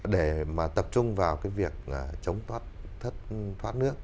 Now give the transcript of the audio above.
để mà tập trung vào cái việc chống thoát nước